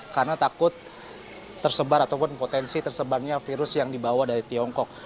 karena takut tersebar ataupun potensi tersebarnya virus yang dibawa dari tiongkok